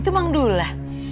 itu mang dula